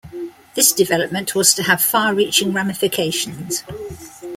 This development was to have far-reaching ramifications.